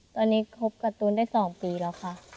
ตอนนี้คบการ์ตูนได้๒ปีแล้วค่ะ